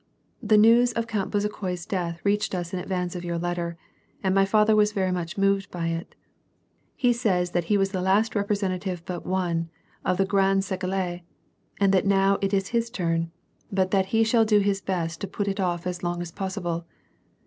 " The news of Count Bezukhoi's death reached us in advance of your letter, and my father was very much moved by it. He says that he was the last representative but one of the ^ grand Steele^ and that now it is his turn ; but that he shall do his best to put it off as long as possible.